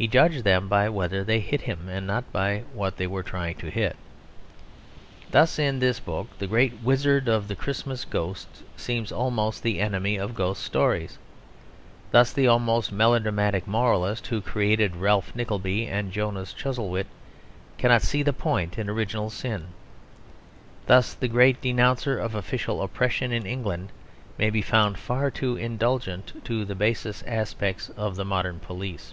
He judged them by whether they hit him, and not by what they were trying to hit. Thus in this book the great wizard of the Christmas ghosts seems almost the enemy of ghost stories; thus the almost melodramatic moralist who created Ralph Nickleby and Jonas Chuzzlewit cannot see the point in original sin; thus the great denouncer of official oppression in England may be found far too indulgent to the basest aspects of the modern police.